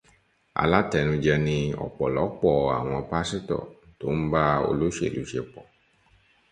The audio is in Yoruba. Alátẹnujẹ ni ọ̀pọ̀lọpọ̀ àwọn pásítọ̀ tó ń bá olóṣèlú ṣe pọ̀